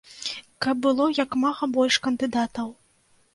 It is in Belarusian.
Каб было як мага больш кандыдатаў.